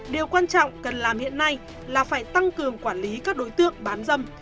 điều quan trọng cần làm hiện nay là phải tăng cường quản lý các đối tượng bán dâm